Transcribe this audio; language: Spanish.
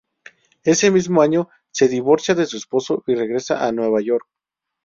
Ese mismo año se divorcia de su esposo y regresa a New York.